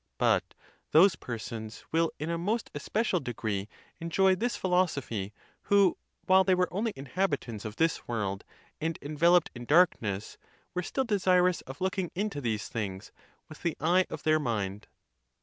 But those persons will in a most especial degree enjoy this philosophy, who, while they were only inhabitants of this world and enveloped in darkness, were still desirous of looking into these things with the eye of their mind.